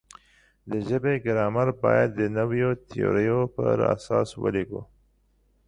د ژبې ګرامر باید د نویو تیوریو پر اساس ولیکو.